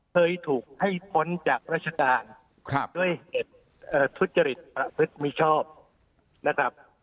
เคยถูกให้พ้นจากราชกาลด้วยธุฤษฐพพฤตไม่ชอบนะครับ